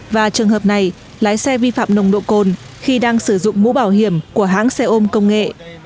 và trường hợp này lái xe vi phạm nồng độ cồn khi đang sử dụng mũ bảo hiểm của hãng xe ôm công nghệ